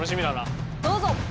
どうぞ！